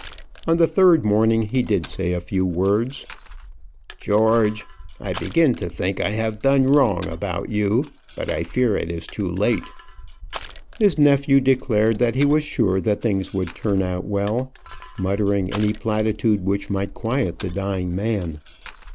On the third morning, he did say a few words: "George, I begin to think I have done wrong about you; but I fear it is too late." His nephew declared that he was sure that things would turn out well, muttering any platitude which might quiet the dying man.